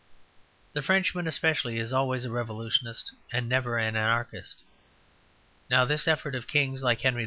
The Frenchman especially is always a Revolutionist and never an Anarchist. Now this effort of kings like Henry II.